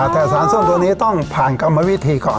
แต่สารส้มตัวนี้ต้องผ่านกรรมวิธีก่อน